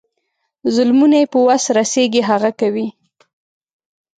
ظلمونه یې په وس رسیږي هغه کوي.